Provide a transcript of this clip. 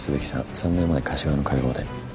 ３年前柏の会合で。